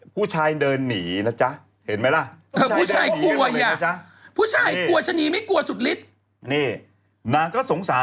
ผู้ชายเดินหนีนะจ๊ะเห็นไหมล่ะผู้ชายกลัวอ่ะผู้ชายกลัวชะนีไม่กลัวสุดฤทธิ์นี่นางก็สงสาร